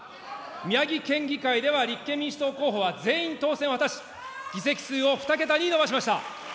宮城県議会では立憲民主党候補は全員当選を果たし、議席数を２桁に伸ばしました。